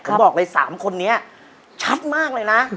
ผมบอกเลย๓คนนี้ชัดมากเลยนะ